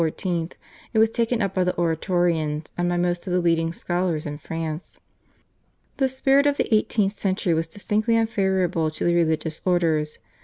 it was taken up by the Oratorians and by most of the leading scholars in France. The spirit of the eighteenth century was distinctly unfavourable to the religious orders.